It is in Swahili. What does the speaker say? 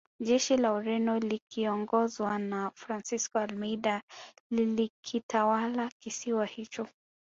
Jeshi la Ureno likiongozwa na Francisco Almeida lilikitawala kisiwa hicho